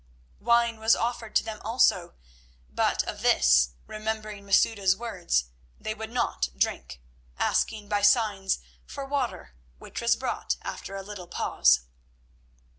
Wine was offered to them also; but of this, remembering Masouda's words, they would not drink, asking by signs for water, which was brought after a little pause.